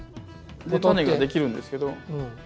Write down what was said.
タネができるんですけど。